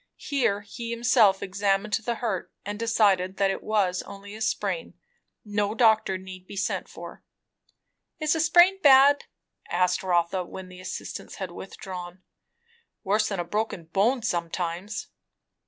Here he himself examined the hurt, and decided that it was only a sprain; no doctor need be sent for. "Is a sprain bad?" asked Rotha, when the assistants had withdrawn. "Worse than a broken bone, sometimes."